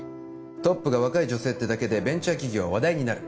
トップが若い女性ってだけでベンチャー企業は話題になる